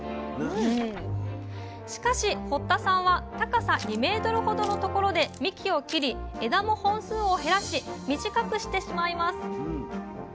しかし堀田さんは高さ２ｍほどのところで幹を切り枝も本数を減らし短くしてしまいます。